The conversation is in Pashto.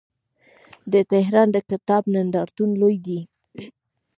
د تهران د کتاب نندارتون لوی دی.